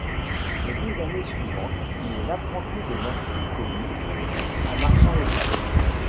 Les dix années suivantes, il est l'apprenti de Matthew Commin, un marchand local.